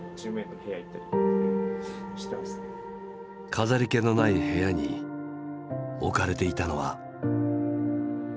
飾り気のない部屋に置かれていたのは。